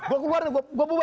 gue keluar nih